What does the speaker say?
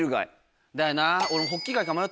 だよな。